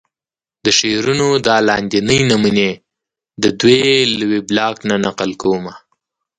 د شعرونو دا لاندينۍ نمونې ددوې د وېبلاګ نه نقل کومه